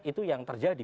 itu yang terjadi